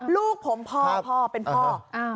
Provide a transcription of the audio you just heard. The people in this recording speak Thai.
ลูกผมว่าลูกผมเป็นพ่อครับ